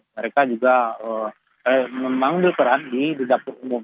mereka juga memanggil peran di dapur umum